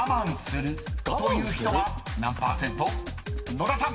［野田さん］